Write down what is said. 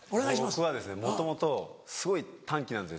僕はもともとすごい短気なんです